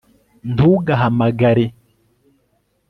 Ntugahamagare